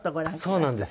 そうなんですよ。